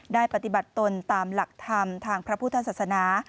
ได้ปฏิบัติตนตามหลักธรรมทางพระพุทธศาสนา